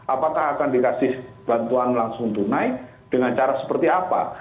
apakah akan dikasih bantuan langsung tunai dengan cara seperti apa